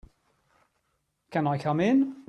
Can I come in?